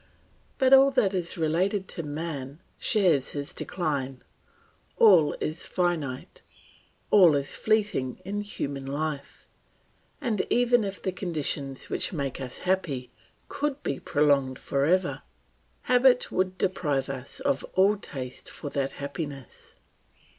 But all that is related to man shares his decline; all is finite, all is fleeting in human life, and even if the conditions which make us happy could be prolonged for ever, habit would deprive us of all taste for that happiness.